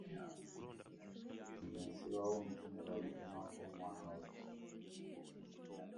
Nze nsibawo omutwe ne bagutemako omwana oyo si mubbi.